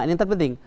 ini yang terpenting